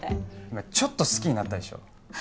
今ちょっと好きになったでしょ？